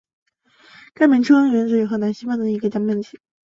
该名称源自荷兰西南方的一个名为弗利辛恩的城市。